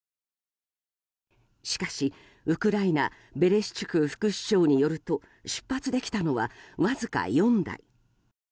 しかし、ウクライナベレシュチュク副首相によると出発できたのはわずか４台。